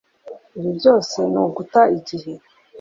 Ibi byose ni uguta igihe